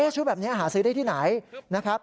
ชุดแบบนี้หาซื้อได้ที่ไหน